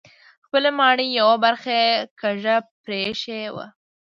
خپلې ماڼۍ یوه برخه یې کږه پرېښې وه.